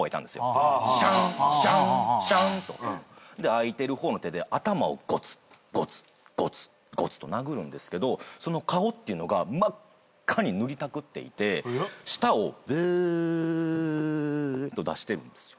空いてる方の手で頭をゴツゴツゴツゴツと殴るんですけどその顔ってのが真っ赤に塗りたくっていて舌を「ベーッ」と出してるんですよ。